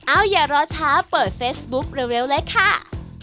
อย่ารอช้าเปิดเฟซบุ๊คเร็วเลยค่ะ